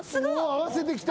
合わせてきた。